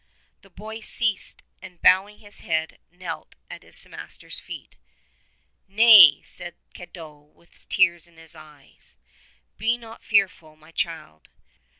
The boy ceased and bowing his head knelt at his master's feet. "Nay," said Cadoc with tears in his eyes, "be not fearful, my child.